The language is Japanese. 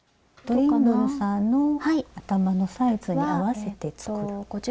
トリンドルさんの頭のサイズに合わせて作る。